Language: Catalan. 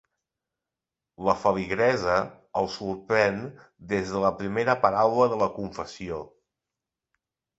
La feligresa el sorprèn des de la primera paraula de la confessió.